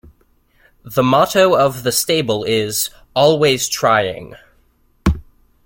The motto of the stable is "Always Trying".